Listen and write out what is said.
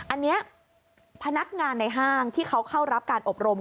อันนี้พนักงานในห้างที่เขาเข้ารับการอบรม